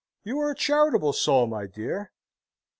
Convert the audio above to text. You are a charitable soul, my dear.